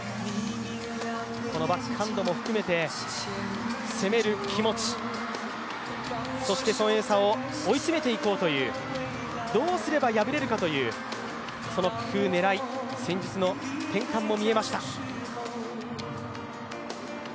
このバックハンドも含めて攻める気持ち、そして孫エイ莎を追い詰めていこうというどうすれば破れるかというその工夫、狙い、戦術の転換も見えました。